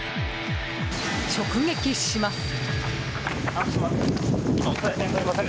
直撃します。